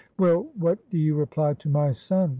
"Well, what do you reply to my son?"